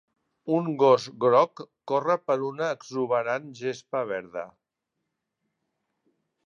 Un gos groc corre per una exuberant gespa verda.